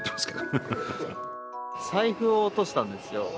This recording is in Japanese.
財布を落としたんですよ。